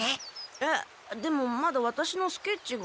えっでもまだワタシのスケッチが。